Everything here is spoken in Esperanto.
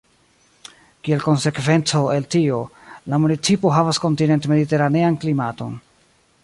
Kiel konsekvenco el tio, la municipo havas kontinent-mediteranean klimaton.